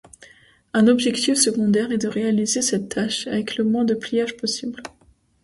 Un objectif secondaire est de réaliser cette tâche avec le moins de pliages possibles.